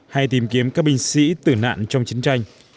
hay tìm kiếm các binh sĩ tử nạn trong chiến tranh